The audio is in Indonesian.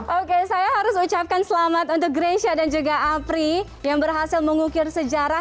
oke saya harus ucapkan selamat untuk grecia dan juga apri yang berhasil mengukir sejarah